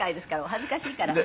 「お恥ずかしいから。